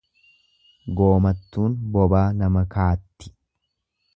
Goomattuun bobaa nama kaatti.